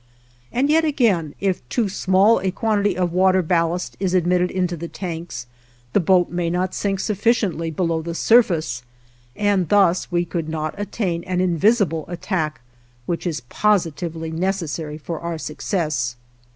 And yet again if too small a quantity of water ballast is admitted into the tanks, the boat may not sink sufficiently below the surface, and thus we could not obtain an invisible attack which is positively necessary for our success.